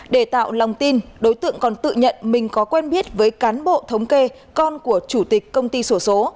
để tạo lòng tin đối tượng còn tự nhận mình có quen biết với cán bộ thống kê con của chủ tịch công ty sổ số